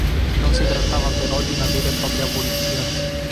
Non si trattava però di una vera e propria abolizione.